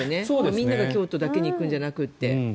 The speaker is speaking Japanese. みんなが京都だけに行くんじゃなくて。